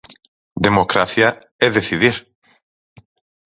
Democracia é decidir.